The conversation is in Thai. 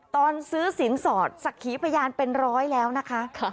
ตอนซื้อสินสอดสักขีพยานเป็นร้อยแล้วนะคะ